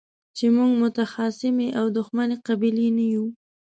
چې موږ متخاصمې او دښمنې قبيلې نه يو.